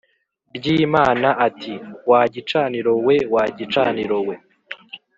ry Imana ati Wa gicaniro we wa gicaniro we